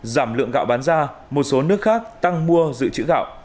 giảm lượng gạo bán ra một số nước khác tăng mua dự trữ gạo